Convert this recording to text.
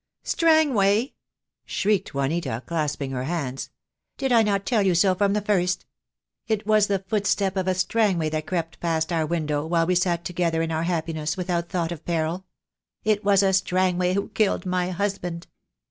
"Strangway!" shrieked Juanita, clasping her hands. "Did I not tell you so from the first? It was the foot step of a Strangway that crept past our window, while we sat together in our happiness, without thought of peril. It was a Strangway who killed my husband.